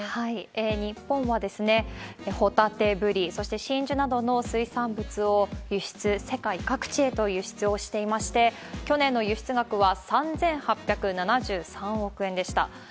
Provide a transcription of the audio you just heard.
日本はホタテ、ブリ、そして真珠などの水産物を輸出、世界各地へと輸出をしていまして、去年の輸出額は３８７３億円でした。